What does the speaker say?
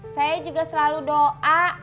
saya juga selalu doa